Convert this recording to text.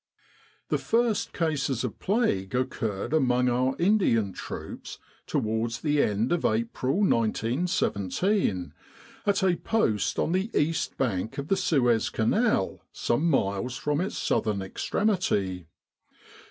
The first cases of plague occurred among our Indian troops towards the end of April, 1917, at a post on the east bank of the Suez Canal some miles from its southern extremity.